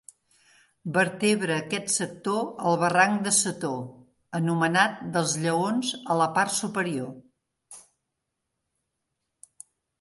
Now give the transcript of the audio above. Vertebra aquest sector el barranc de Setó, anomenat dels Lleons a la part superior.